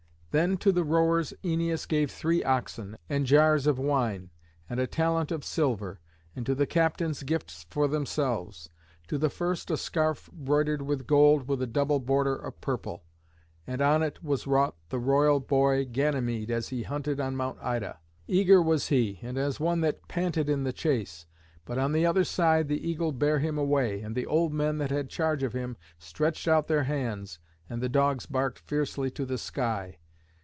Then to the rowers Æneas gave three oxen, and jars of wine, and a talent of silver; and to the captains gifts for themselves; to the first a scarf broidered with gold with a double border of purple, and on it was wrought the royal boy Ganymede, as he hunted on Mount Ida. Eager was he, and as one that panted in the chase; but on the other side the eagle bare him away, and the old men that had charge of him stretched out their hands and the dogs barked fiercely to the sky.